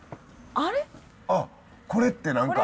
あっこれって何か。